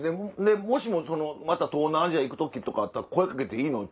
もしもまた東南アジア行く時とかあったら声かけていいの？」